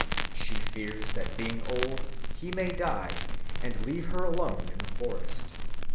She fears that being old he may die and leave her alone in the forest.